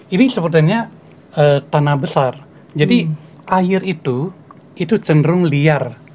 ini sepertinya tanah besar jadi air itu itu cenderung liar